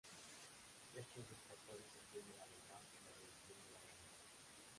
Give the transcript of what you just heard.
Estos dos factores influyen además en la dirección de la gravedad.